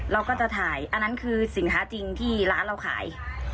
เราก็จะถ่ายอันนั้นคือสินค้าจริงที่ร้านเราขาย